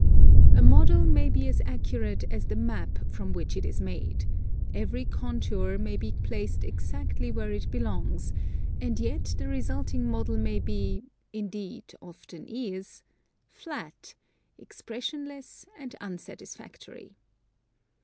A model may be as accurate as the map from which it is made, every contour may be placed exactly where it belongs, and yet the resulting model may be, — indeed, often is —" flat," expressionless, and un satisfactory.